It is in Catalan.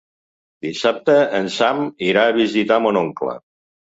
Dissabte en Sam irà a visitar mon oncle.